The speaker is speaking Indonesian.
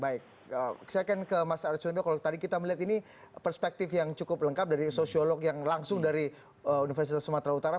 baik saya akan ke mas arswendo kalau tadi kita melihat ini perspektif yang cukup lengkap dari sosiolog yang langsung dari universitas sumatera utara